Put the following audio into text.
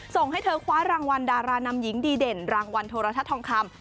ส่งให้เธอคว้ารางวัลดารานำหญิงดีเด่นรางวัลโทรทัศน์ทองคำ